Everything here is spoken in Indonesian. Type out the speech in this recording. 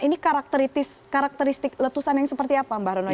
ini karakteristik letusan yang seperti apa mbak rono ya